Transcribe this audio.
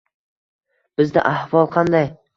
Bizda ahvol qanday?..